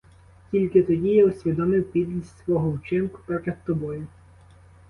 Тільки тоді я усвідомив підлість свого вчинку перед тобою.